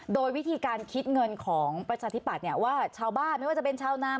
โดยวิธีการคิดเงินของประชาธิปัตย์ว่าชาวบ้านไม่ว่าจะเป็นชาวนาม